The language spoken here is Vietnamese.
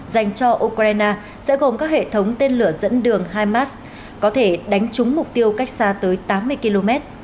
dành cho ukraine sẽ gồm các hệ thống tên lửa dẫn đường hamas có thể đánh trúng mục tiêu cách xa tới tám mươi km